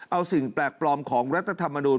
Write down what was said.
เอาสิ่งแปลกปลอมของรัฐธรรมนูล